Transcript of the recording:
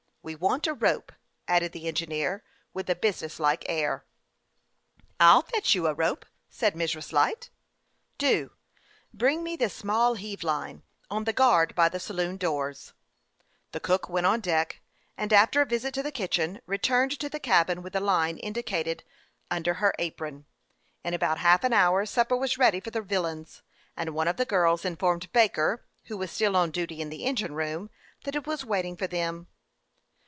We want a rope," added the en gineer, with a business like air. " I'll fetch you a rope," said Mrs. Light. " Do ; bring me the small heave line, on the guard by the saloon doors." 292 HASTE AND WASTE, OB The cook went on deck, and after a visit to the kitchen, returned to the cabin with the line indi cated under her apron. In about half an hour sup per was ready for the villains, and 'one of the girls informed Baker, who was still on duty in the engine room, that it was waiting for them.